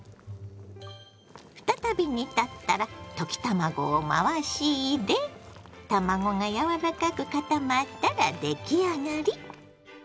再び煮立ったら溶き卵を回し入れ卵が柔らかく固まったら出来上がり！